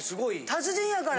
達人やから。